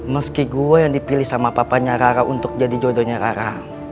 meski gue yang dipilih sama papanya rara untuk jadi jodohnya rara